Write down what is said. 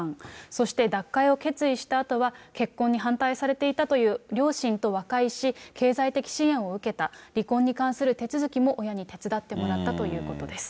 そして脱会を決意したあとは、結婚に反対されていたという両親と和解し、経済的支援を受けた、離婚に関する手続きも親に手伝ってもらったということです。